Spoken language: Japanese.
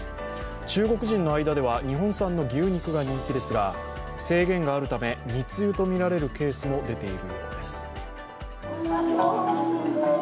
中国人の間では日本産の牛肉が人気ですが制限があるため、密輸とみられるケースも出ているようです。